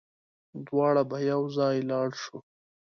دواړه به يوځای لاړ شو